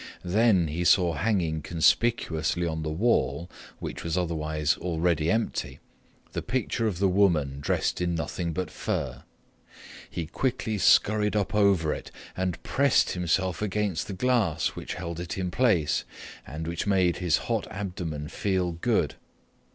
Then he saw hanging conspicuously on the wall, which was otherwise already empty, the picture of the woman dressed in nothing but fur. He quickly scurried up over it and pressed himself against the glass which held it in place and which made his hot abdomen feel good.